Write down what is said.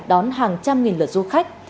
đón hàng trăm nghìn lượt du khách